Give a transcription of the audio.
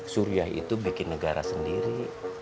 suriah itu bikin negara sendiri